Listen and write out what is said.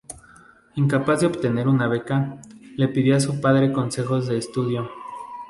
Incapaz de obtener una beca, le pidió a su padre consejos de estudio.